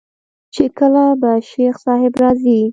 چې کله به شيخ صاحب راځي.